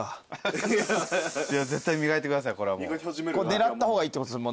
狙った方がいいってことですもんね？